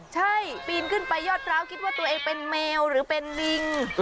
ใช่ปีนขึ้นไปยอดพร้าวคิดว่าตัวเองเป็นแมวหรือเป็นลิง